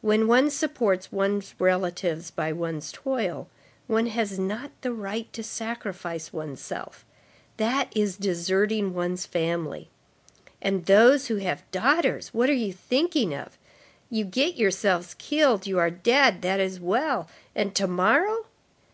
When one supports one's relatives by one's toil, one has not the right to sacrifice one's self. That is deserting one's family. And those who have daughters! what are you thinking of? You get yourselves killed, you are dead, that is well. And tomorrow?